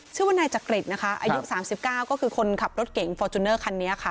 ชื่อว่านายจักริตนะคะอายุ๓๙ก็คือคนขับรถเก่งฟอร์จูเนอร์คันนี้ค่ะ